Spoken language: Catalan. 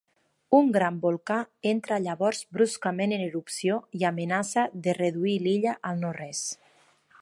Un gran volcà entra llavors bruscament en erupció i amenaça de reduir l'illa al no-res.